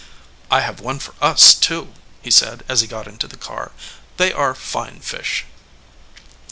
"I have one for us, too," he said as he got into the car. "They are fine fish."